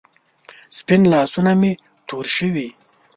سپین لاسونه مې تور شوې